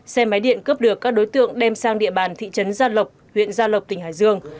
xe máy điện cướp được các đối tượng đem sang địa bàn thị trấn gia lộc huyện gia lộc tỉnh hải dương